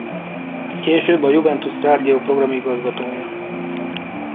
Később a Juventus Rádió programigazgatója.